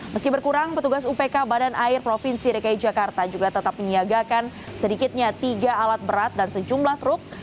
meski berkurang petugas upk badan air provinsi dki jakarta juga tetap menyiagakan sedikitnya tiga alat berat dan sejumlah truk